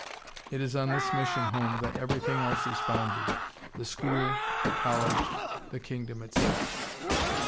It is on this mission home that everything else is founded the school, the college, the kingdom itself....